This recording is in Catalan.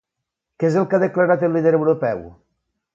Què és el que ha declarat el líder europeu?